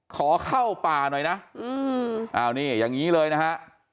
ขอเข้าป่าหน่อยนะนี่อย่างนี้เลยนะฮะ